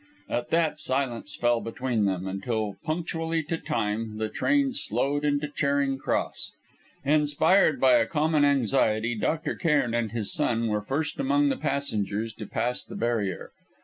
At that, silence fell between them, until punctually to time, the train slowed into Charing Cross. Inspired by a common anxiety, Dr. Cairn and his son were first among the passengers to pass the barrier.